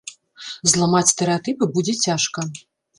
Зламаць стэрэатыпы будзе цяжка.